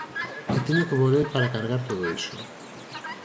E teño que volver para cargar todo iso.